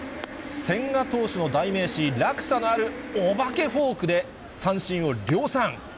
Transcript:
千賀投手の代名詞、落差のあるお化けフォークで、三振を量産。